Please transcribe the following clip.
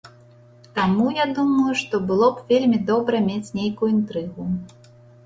Таму я думаю, што было б вельмі добра мець нейкую інтрыгу.